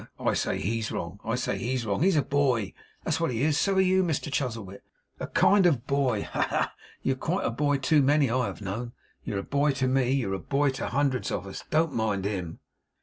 I say HE'S wrong. I say HE'S wrong. He's a boy. That's what he is. So are you, Mr Chuzzlewit a kind of boy. Ha! ha! ha! You're quite a boy to many I have known; you're a boy to me; you're a boy to hundreds of us. Don't mind him!